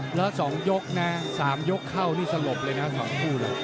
แล้วสองยกนะสามยกเข้านี่สลบเลยนะสองคู่เลย